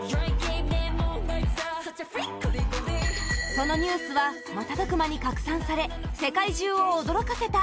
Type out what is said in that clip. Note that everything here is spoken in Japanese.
そのニュースは瞬く間に拡散され世界中を驚かせた。